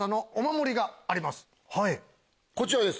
こちらです。